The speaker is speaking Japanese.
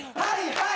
はい！